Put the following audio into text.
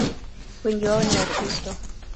Wengi wao ni Wakristo.